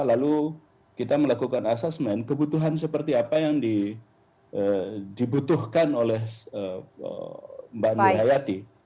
lalu kita melakukan asesmen kebutuhan seperti apa yang dibutuhkan oleh mbak nur hayati